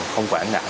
không quản nạn